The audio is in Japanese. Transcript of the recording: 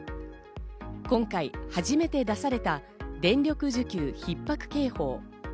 今回、初めて出された電力需給ひっ迫警報。